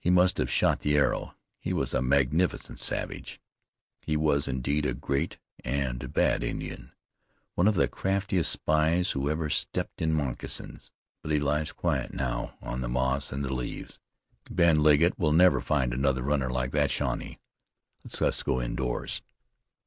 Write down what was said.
He must have shot the arrow. He was a magnificent savage." "He was indeed a great, and a bad Indian, one of the craftiest spies who ever stepped in moccasins; but he lies quiet now on the moss and the leaves. Bing Legget will never find another runner like that Shawnee. Let us go indoors."